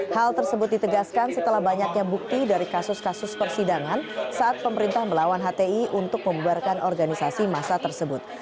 hal tersebut ditegaskan setelah banyaknya bukti dari kasus kasus persidangan saat pemerintah melawan hti untuk membuarkan organisasi masa tersebut